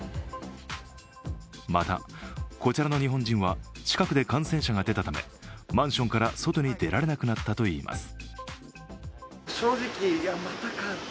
また、こちらの日本人は近くで感染者が出たため、マンションから外に出られなくなったといいます。